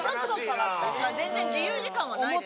全然自由時間はないです。